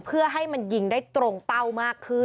เพื่อให้มันยิงได้ตรงเป้ามากขึ้น